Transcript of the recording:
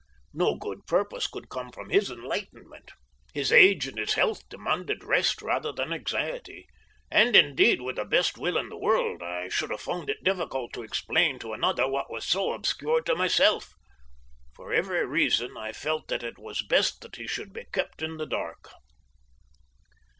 No good purpose could come from his enlightenment; his age and his health demanded rest rather than anxiety; and indeed, with the best will in the world I should have found it difficult to explain to another what was so very obscure to myself. For every reason I felt that it was best that he should be kept in the dark.